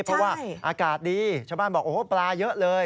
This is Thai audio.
เพราะว่าอากาศดีชาวบ้านบอกโอ้โหปลาเยอะเลย